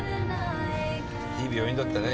いい病院だったね